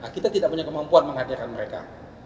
kita tidak punya kemampuan menghadirkan mereka